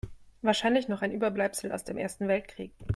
Wahrscheinlich noch ein Überbleibsel aus dem Ersten Weltkrieg.